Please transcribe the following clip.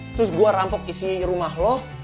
terus gue rampok isi rumah lo